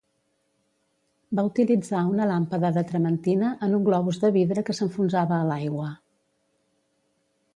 Va utilitzar una làmpada de trementina en un globus de vidre que s'enfonsava a l'aigua.